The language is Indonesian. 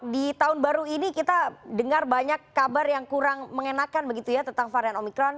di tahun baru ini kita dengar banyak kabar yang kurang mengenakan begitu ya tentang varian omikron